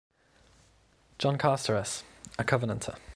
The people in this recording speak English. John Carstares, a Covenanter.